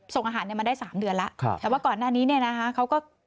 ส่งอาหารเนี่ยมาได้สามเดือนแล้วครับแต่ว่าก่อนหน้านี้เนี่ยนะคะเขาก็